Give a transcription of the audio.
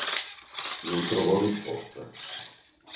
Non trovò risposta.